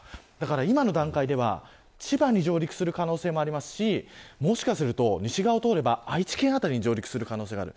今の段階では千葉に上陸する可能性もありますしもしかすると、西側を通れば愛知県辺りに上陸する可能性がある。